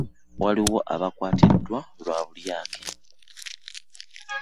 Waliwo abakwatiddwa Iwa bulyake.